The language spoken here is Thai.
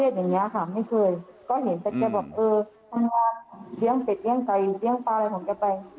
ประเภทอย่างนี้ค่ะไม่เคยก็เห็นแต่แกบอกเออทางราชเดี้ยงเบ็ดเดี้ยงไก่เดี้ยงปลาอะไรของแกไป